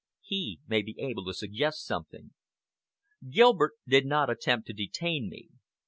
He may be able to suggest something." Gilbert did not attempt to detain me.